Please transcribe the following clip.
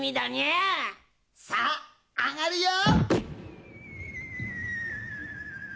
さああがるよ！